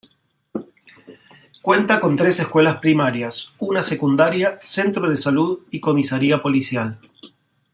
Cuenta con tres escuelas primarias, una secundaria, centro de salud y comisaría policial.